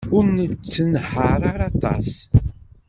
Ur nettenhaṛ ara aṭas.